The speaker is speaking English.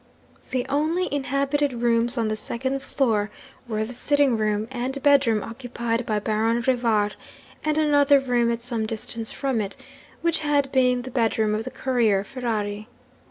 'The only inhabited rooms on the second floor were the sitting room and bedroom occupied by Baron Rivar, and another room at some distance from it, which had been the bedroom of the courier Ferrari.